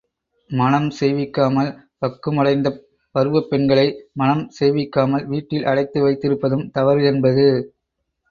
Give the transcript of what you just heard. மணம் செய்விக்காமல் பக்குமடைந்தப் பருவப் பெண்களை மணம் செய்விக்காமல் வீட்டில் அடைத்து வைத்திருப்பதும் தவறு என்பது.